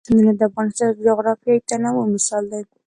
سیندونه د افغانستان د جغرافیوي تنوع مثال دی.